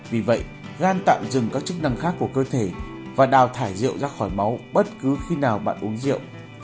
vì vậy gan tạm dừng các chức năng khác của cơ thể và đào thải rượu ra khỏi máu bất cứ khi nào bạn uống rượu